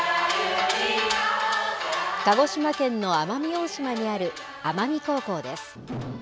鹿児島県の奄美大島にある奄美高校です。